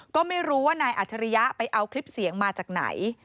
ก็ไม่รู้ว่านายอัจฉริยะไปเอาคลิปเสียงมาจากไหน